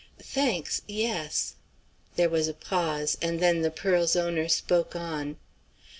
"Thanks, yes." There was a pause, and then the pearl's owner spoke on.